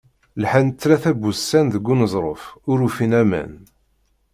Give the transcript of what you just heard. Lḥan tlata n wussan deg uneẓruf, ur ufin aman.